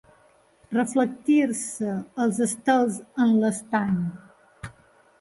Reflectir-se els estels en l'estany.